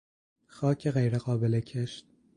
خاک غیرقابل کشت